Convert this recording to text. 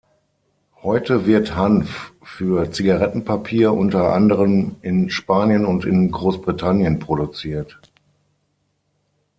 Heute wird Hanf für Zigarettenpapier unter anderem in Spanien und in Großbritannien produziert.